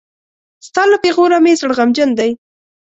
ستا له پېغوره مې زړه غمجن دی.